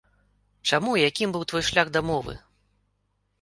Чаму і якім быў твой шлях да мовы?